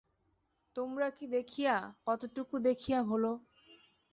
তোমরা কী দেখিয়া, কতটুকু দেখিয়া ভোল।